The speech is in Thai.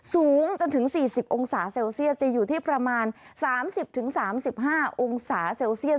สูงจนถึง๔๐องศาเซลเซียสจะอยู่ที่ประมาณ๓๐๓๕องศาเซลเซียส